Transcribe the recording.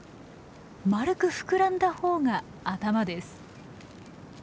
丸く膨らんだほうが頭です。